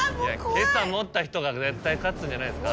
今朝持った人が絶対勝つんじゃないですか？